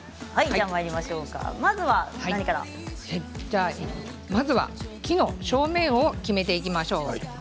じゃあまずは木の正面を決めていきましょう。